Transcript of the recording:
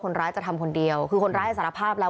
คนร้ายจะทำคนเดียวคือคนร้ายสารภาพแล้ว